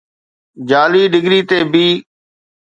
جعلي ڊگري تي بي